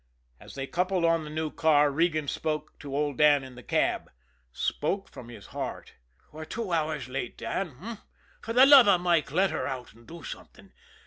As they coupled on the new car, Regan spoke to old Dan in the cab spoke from his heart. "We're two hours late, Dan h'm? For the love of Mike, let her out and do something.